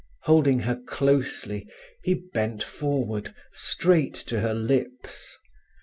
Holding her closely, he bent forward, straight to her lips.